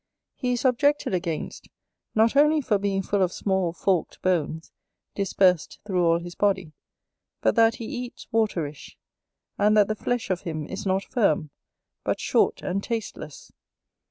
He is objected against, not only for being full of small forked bones, dispersed through all his body, but that he eats waterish, and that the flesh of him is not firm, but short and tasteless.